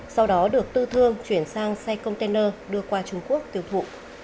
sau đó được tư thương chuyển sang xe container đưa qua trung quốc tiêu thụ